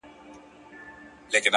لوړ لید راتلونکی روښانه کوي!